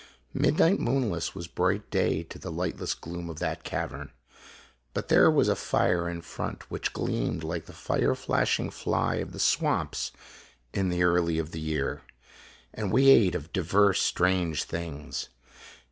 Midnight moonless was bright day to the lightless gloom of that cavern. But there w r as a fire in front which gleamed like the fire flashing fly of the swamps in the early of the year. And we ate of clivers stranee things.